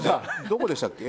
どこでしたっけ。